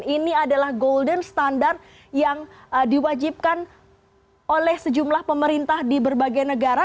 ini adalah golden standard yang diwajibkan oleh sejumlah pemerintah di berbagai negara